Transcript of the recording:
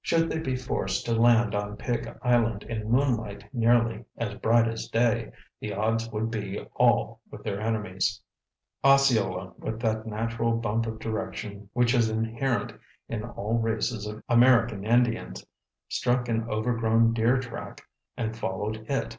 Should they be forced to land on Pig Island in moonlight nearly as bright as day, the odds would be all with their enemies. Osceola, with that natural bump of direction which is inherent in all races of American Indians, struck an overgrown deer track and followed it.